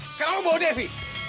sekarang lu bawa devi